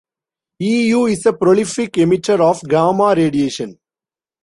Eu is a prolific emitter of gamma radiation.